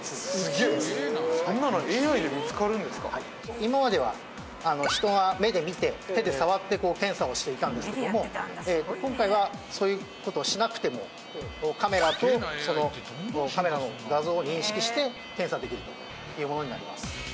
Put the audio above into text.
今までは人が目で見て手で触ってこう検査をしていたんですけども今回はそういう事をしなくてもカメラとそのカメラの画像を認識して検査できるというものになります。